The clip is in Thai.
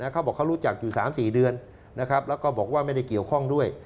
เขาบอกเขารู้จักอยู่๓๔เดือนแล้วก็บอกว่าไม่ได้เกี่ยวข้องด้วย